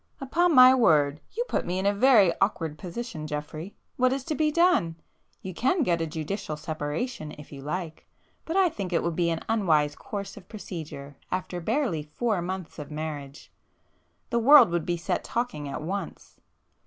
"Upon my word, you put me in a very awkward position Geoffrey,—what is to be done? You can get a judicial separation if you like, but I think it would be an unwise course of procedure after barely four months of marriage. The world would be set talking at once.